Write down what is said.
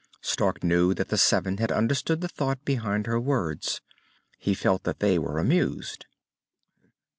Stark knew that the seven had understood the thought behind her words. He felt that they were amused.